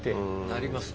なります